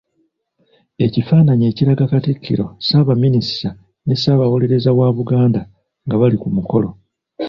Ekifaananyi ekiraga Katikkiro, Ssaabaminisita, ne Ssaabawolereza wa Buganda nga bali ku mukolo.